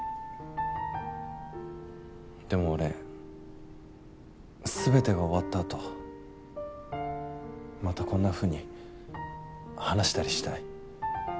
でも俺全てが終わった後またこんなふうに話したりしたい。